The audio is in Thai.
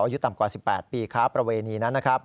อายุต่ำกว่า๑๘ปีค้าประเวณีนั้นนะครับ